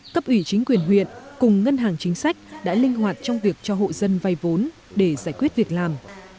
cấp ủy chính quyền huyện cùng ngân hàng chính sách đã linh hoạt trong việc cho hộ dân vay vốn để giải quyết việc làm